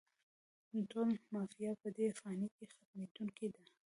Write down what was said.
ټوله «ما فيها» په دې فاني کې ختمېدونکې ده